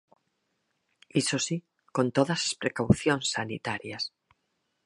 Iso si, con todas as precaucións sanitarias.